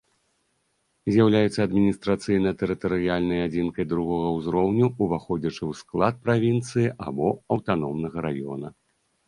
З'яўляецца адміністрацыйна-тэрытарыяльнай адзінкай другога ўзроўню, уваходзячы ў склад правінцыі або аўтаномнага раёна.